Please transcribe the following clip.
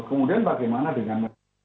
kemudian bagaimana dengan